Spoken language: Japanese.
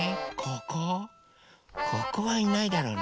ここはいないだろうな。